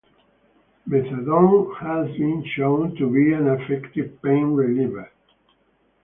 Methadone has been shown to be an effective pain-reliever.